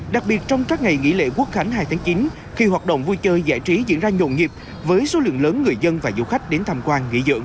đặc biệt trong các ngày nghỉ lễ quốc khánh hai tháng chín khi hoạt động vui chơi giải trí diễn ra nhộn nhịp với số lượng lớn người dân và du khách đến tham quan nghỉ dưỡng